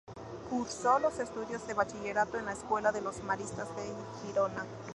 Cursó los estudios de bachillerato en la escuela de los Maristas de Girona.